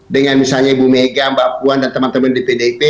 dengan misalnya ibu mega mbak puan dan teman teman di pdip